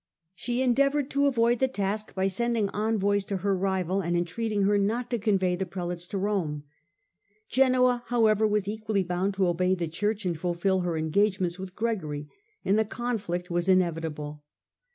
She endeavoured to 196 STUPOR MUNDI avoid the task by sending envoys to her rival and en treating her not to convey the Prelates to Rome. Genoa, however, was equally bound to obey the Church and fulfil her engagements with Gregory, and the conflict was inevitable.